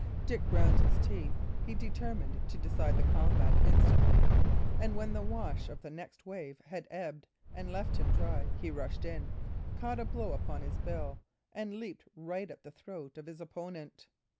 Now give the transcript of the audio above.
Dick ground his teeth. He determined to decide the combat instantly; and when the wash of the next wave had ebbed and left them dry, he rushed in, caught a blow upon his bill, and leaped right at the throat of his opponent.